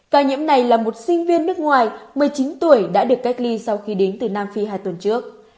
ca nhiễm này là một sinh viên nước ngoài một mươi chín tuổi đã được cách ly sau khi đến từ nam phi hai tuần trước